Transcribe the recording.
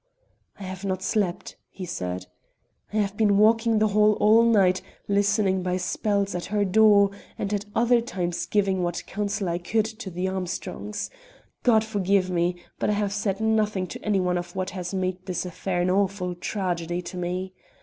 "I have not slept," he said. "I have been walking the hall all night, listening by spells at her door, and at other times giving what counsel I could to the Armstrongs. God forgive me, but I have said nothing to any one of what has made this affair an awful tragedy to me!